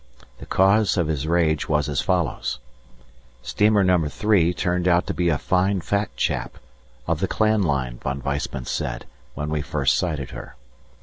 The cause of his rage was as follows: Steamer number 3 turned out to be a fine fat chap (of the Clan Line, Von Weissman said, when we first sighted her).